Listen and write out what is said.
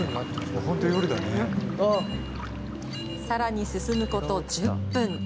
さらに進むこと１０分。